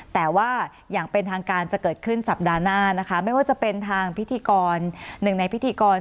แต่ว่าอย่างเป็นทางการจะเกิดขึ้นสัปดาห์หน้านะคะไม่ว่าจะเป็นทางพิธีกรหนึ่งในพิธีกร